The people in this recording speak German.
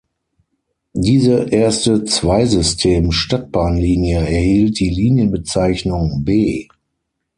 Diese erste Zweisystem-Stadtbahnlinie erhielt die Linienbezeichnung „B“.